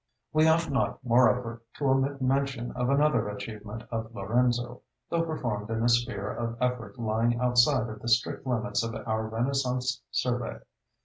We ought not, moreover, to omit mention of another achievement of Lorenzo, though performed in a sphere of effort lying outside of the strict limits of our Renaissance survey.